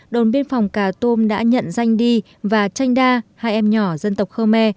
đồn biên phòng cà tôm đã nhận danh đi và tranh đa hai em nhỏ dân tộc khơ me